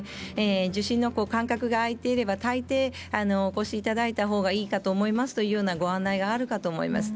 受診の間隔が空いていれば大抵、お越しいただいたほうがいいかと思いますというご案内があると思います。